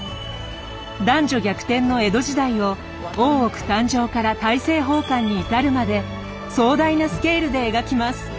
男女逆転の江戸時代を大奥誕生から大政奉還に至るまで壮大なスケールで描きます。